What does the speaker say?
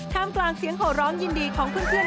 กลางเสียงโหร้องยินดีของเพื่อน